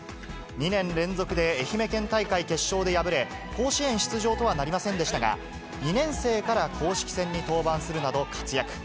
２年連続で愛媛県大会決勝で敗れ、甲子園出場とはなりませんでしたが、２年生から公式戦に登板するなど活躍。